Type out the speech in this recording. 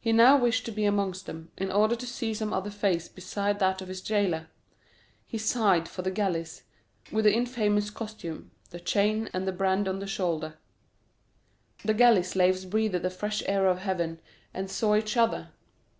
He now wished to be amongst them, in order to see some other face besides that of his jailer; he sighed for the galleys, with the infamous costume, the chain, and the brand on the shoulder. The galley slaves breathed the fresh air of heaven, and saw each other.